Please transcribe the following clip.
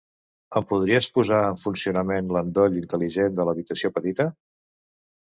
Em podries posar en funcionament l'endoll intel·ligent de l'habitació petita?